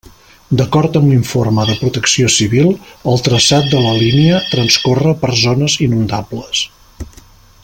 D'acord amb l'informe de Protecció Civil, el traçat de la línia transcorre per zones inundables.